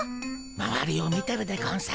まわりを見てるでゴンス。